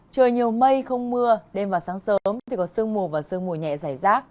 trời nhiều mây không mưa đêm và sáng sớm thì có sương mù và sương mù nhẹ dài rác